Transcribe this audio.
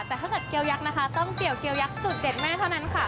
แต่ถ้าเกิดเกียวยักษ์นะคะต้องเกี่ยวเกียวยักษูตเด็ดแม่เท่านั้นค่ะ